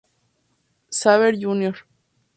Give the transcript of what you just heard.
Saber Jr.